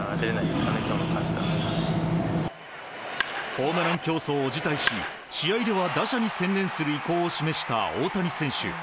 ホームラン競争を辞退し試合では打者に専念する意向を示した大谷選手。